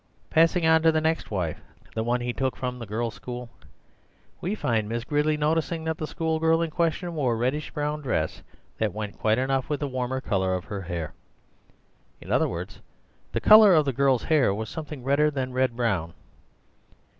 Passing to the next wife, the one he took from the girls' school, we find Miss Gridley noticing that the schoolgirl in question wore 'a reddish brown dress, that went quietly enough with the warmer colour of her hair.' In other words, the colour of the girl's hair was something redder than red brown.